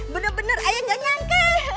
bener bener ayah gak nyangka